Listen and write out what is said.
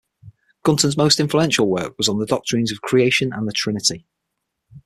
Gunton's most influential work was on the doctrines of Creation and the Trinity.